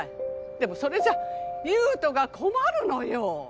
でもそれじゃ優斗が困るのよ。